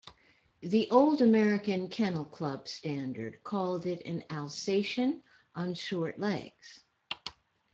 The old American Kennel Club standard called it an "Alsatian on short legs".